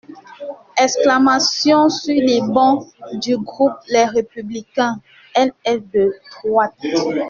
(Exclamations sur les bancs du groupe Les Républicains.) Elle est de droit.